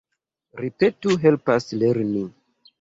Ripeto helpas lerni.